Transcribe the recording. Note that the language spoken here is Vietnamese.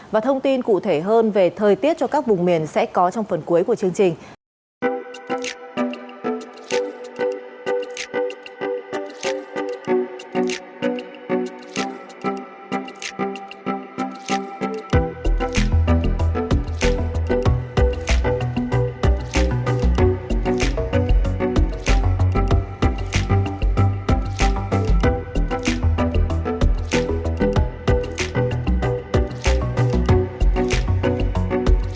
và thông tin cụ thể hơn về thời tiết cho các vùng miền sẽ có trong phần cuối của chương trình